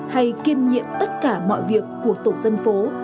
hay kiêm nhiệm tất cả mọi việc của tổ dân phố